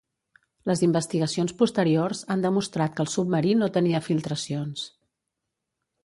Les investigacions posteriors han demostrat que el submarí no tenia filtracions.